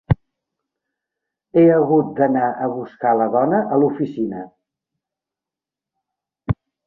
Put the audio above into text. He hagut d'anar a buscar la dona a l'oficina.